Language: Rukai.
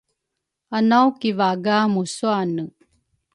anaw kivaga muswane